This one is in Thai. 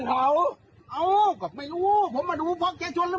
ไอภาพส้ายที่ไปเลยสายที่ไปเลย